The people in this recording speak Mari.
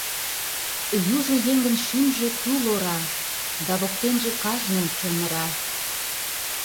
Южо еҥын шӱмжӧ — тул ора, да воктенже кажнын чон ыра.